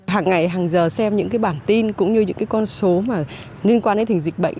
hàng ngày hàng giờ xem những bản tin cũng như những con số liên quan đến dịch bệnh